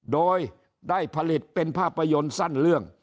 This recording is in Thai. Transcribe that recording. โดยได้ผลิตเป็นภาพยนตร์สั้นเรื่อง